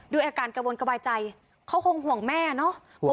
ด้วยอาการกระวนกระบายใจเขาคงห่วงแม่เนาะ